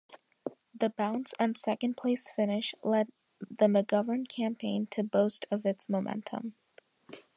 The bounce and second-place finish led the McGovern campaign to boast of its momentum.